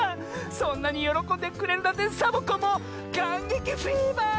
そんなによろこんでくれるなんてサボ子もかんげきフィーバー！